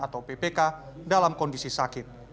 atau ppk dalam kondisi sakit